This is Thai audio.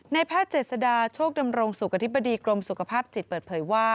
แพทย์เจษดาโชคดำรงสุขอธิบดีกรมสุขภาพจิตเปิดเผยว่า